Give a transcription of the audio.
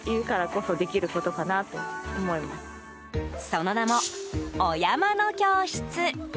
その名も、お山の教室。